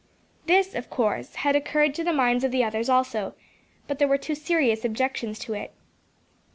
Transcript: This, of course, had occurred to the minds of the others also; but there were two serious objections to it.